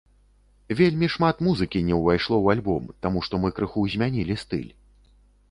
Вельмі шмат музыкі не ўвайшло ў альбом, таму што мы крыху змянілі стыль.